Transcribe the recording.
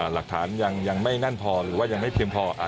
หลักฐานยังไม่แน่นพอหรือว่ายังไม่เพียงพอ